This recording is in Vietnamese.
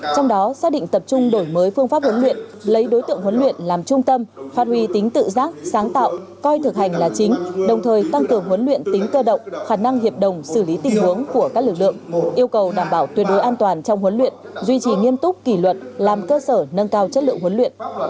trong đó xác định tập trung đổi mới phương pháp huấn luyện lấy đối tượng huấn luyện làm trung tâm phát huy tính tự giác sáng tạo coi thực hành là chính đồng thời tăng cường huấn luyện tính cơ động khả năng hiệp đồng xử lý tình huống của các lực lượng yêu cầu đảm bảo tuyệt đối an toàn trong huấn luyện duy trì nghiêm túc kỷ luật làm cơ sở nâng cao chất lượng huấn luyện